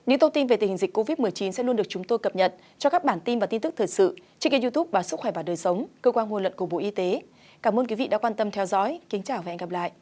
hãy đăng ký kênh để ủng hộ kênh của mình nhé